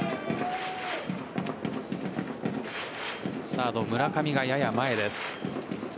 サード・村上がやや前です。